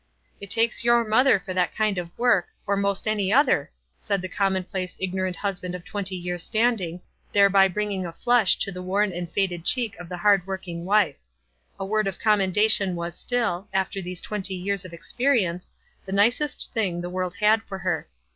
"It takes your mother for that kind of work, or most any other," said the commonplace, ig norant husband of twenty years' standing, there by bringing a flush to the worn and faded cheek of the hard working wife. A word of commen dation was still, after these twenty years of ex perience, the nicest thing the world had for her.